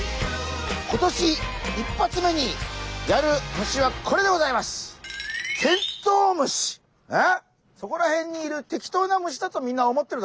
今年１発目にやる虫はこれでございますえっそこら辺にいる適当な虫だとみんな思ってるだろ？